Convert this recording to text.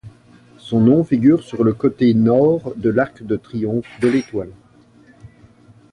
Son nom figure sur le côté Nord de l'arc de triomphe de l'Étoile.